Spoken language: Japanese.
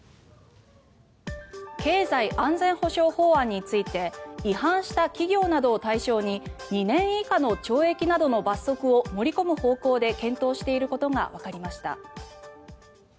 経済安全保障法案について違反した企業などを対象に２年以下の懲役などの罰則を盛り込む方向で検討していることがわかりました。